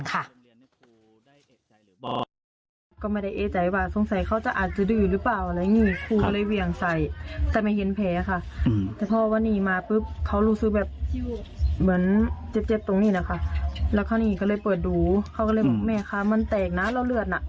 ก็เลยบอกแม่คะมันแตกนะเราเลือดน่ะ